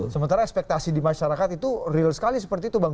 sementara ekspektasi di masyarakat itu real sekali seperti itu bang